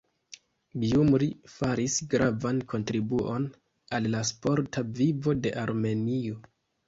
Gjumri faris gravan kontribuon al la sporta vivo de Armenio.